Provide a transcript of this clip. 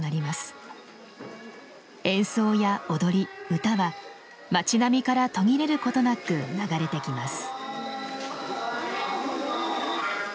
演奏や踊り唄は町並みから途切れることなく流れてきます。